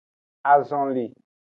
Azonli.